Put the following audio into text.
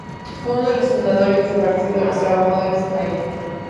Fue uno de los fundadores del Partido de los Trabajadores en Bahía.